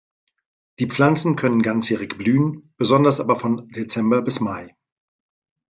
Die Pflanzen können ganzjährig blühen, besonders aber von Dezember bis Mai.